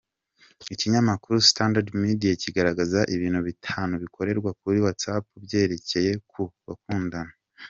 Ikinyamakuru standardmedia kigaragaza ibintu bitanu bikorerwa kuri whatsapp byerekeye ku bakundana.